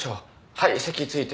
はい席着いて。